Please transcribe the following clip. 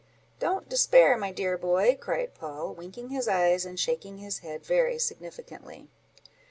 "Don't despair, my dear boy," replied Poll, winking his eyes, and shaking his head very significantly.